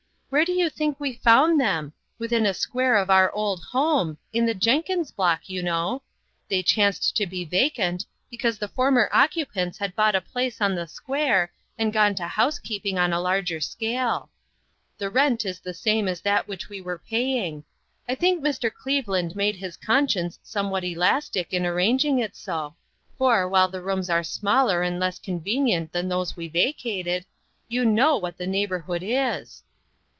Where do you think we found them ? Within a square of our old home i In the Jenkins Block, you know. They chanced to be vacant, because the former occupants had bought a place on the square, and gone to housekeeping on a larger scale. The rent is the same as that which we were paying. I think Mr. Cleve land made his conscience somewhat elastic in arranging it so, for, while the rooms are smaller and less convenient than those we vacated, you know what the neighborhood is.